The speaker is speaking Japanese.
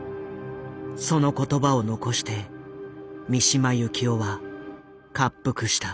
その言葉を遺して三島由紀夫は割腹した。